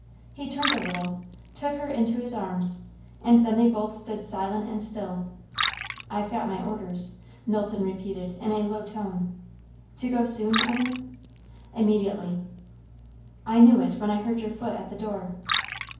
He turned a little, took her into his arms, and then they both stood silent and still. "I've got my orders," Knowlton repeated in a low tone. "To go soon, Evan?" "Immediately." "I knew it, when I heard your foot at the door."